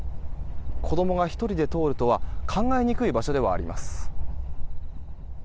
子供が１人で通るとは考えにくい場所ではあります。